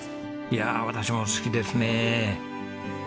いやあ私も好きですねえ。